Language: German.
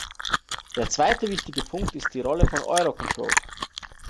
Der zweite wichtige Punkt ist die Rolle von Eurocontrol.